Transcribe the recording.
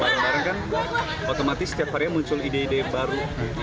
kita latihan bareng bareng kan otomatis setiap hari muncul ide ide baru